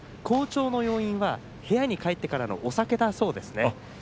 好調の要因は部屋に帰ってからのお酒だそうです。